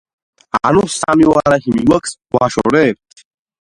ანუ, სამი ხილი მიგვაქვს, ვაშორებთ.